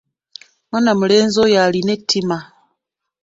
Mwana mulenzi oyo alina ettima.